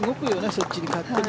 そっちに勝手に。